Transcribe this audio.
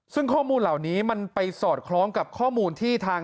ซึ่งข้อมูลเหล่านี้มันไปสอดคล้องกับข้อมูลที่ทาง